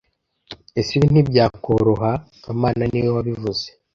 ese Ibi ntibyakoroha kamana niwe wabivuze